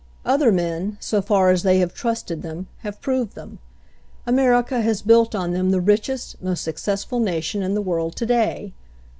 Other men, so far as they have trusted them, have proved them. America has built on them the richest, most successful nation in the world to day.